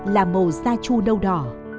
là màu da chu nâu đỏ